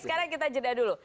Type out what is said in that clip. sekarang kita jeda dulu